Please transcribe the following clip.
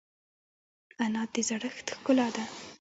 انا د زړښت ښکلا ده